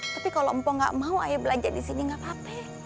tapi kalau mpok enggak mau ayah belajar di sini enggak apa apa